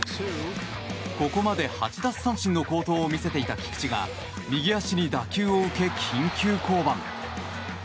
ここまで８奪三振の好投を見せていた菊池が右足に打球を受け緊急降板。